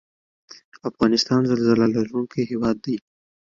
افغانستان زلزله لرونکی هیواد دی